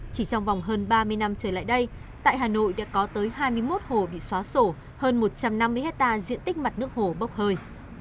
chỉ trong vòng hơn ba mươi năm trở lại đây tại hà nội đã có tới hai mươi một hồ bị xóa sổ hơn một trăm năm mươi hectare diện tích mặt nước hồ bốc hơi